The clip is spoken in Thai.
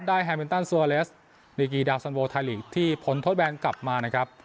ได้แฮมินตันดีกี่ดาวสันโวทายลีกที่ผลทดแบนกลับมานะครับ